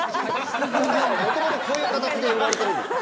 それとも、もともとこういう形で売られているんですか。